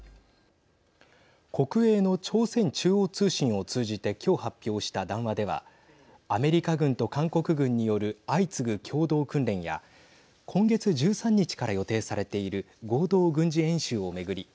国営の朝鮮中央通信を通じて今日発表した談話ではアメリカ軍と韓国軍による相次ぐ共同訓練や今月１３日から予定されている合同軍事演習を巡り